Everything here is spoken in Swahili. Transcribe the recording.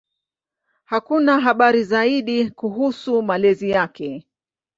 Hakuna habari zaidi kuhusu malezi yake.